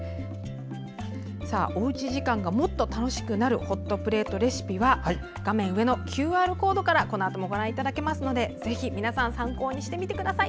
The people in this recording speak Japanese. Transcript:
おうち時間がもっと楽しくなるホットプレートレシピは画面上のＱＲコードからもこのあともご覧いただけますので参考にしてみてください。